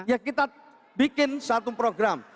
ya kita bikin satu program